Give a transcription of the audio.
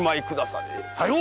さよう！